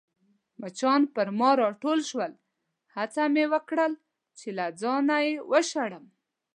مچان پر ما راټول شول، هڅه مې وکړل چي له ځانه يې وشړم.